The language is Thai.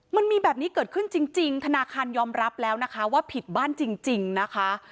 มันมีแบบนี้เกิดขึ้นจริงธนาคารยอมรับแล้วนะคะว่าผิดบ้านจริงนะคะ